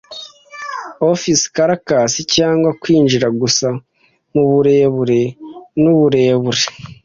“Offe Caraccas,” cyangwa kwinjira gusa mu burebure n'uburebure